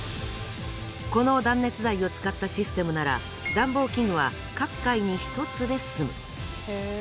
この断熱材を使ったシステムなら暖房器具は各階に１つで済む。